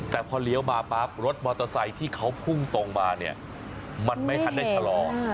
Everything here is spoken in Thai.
แต่พอเลี้ยวมาปั๊บรถมอเตอร์ไซค์ที่เขาพุ่งตรงมาเนี่ยมันไม่ทันได้ชะลอ